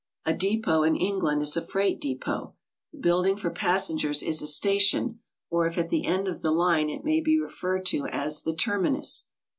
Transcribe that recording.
A "depot" in England is a freig'ht depot; the build ing for passengers is a "station," or if at the end of the line it may be referred to as the "terminus."